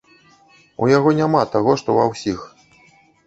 У яго няма таго, што ва ўсіх.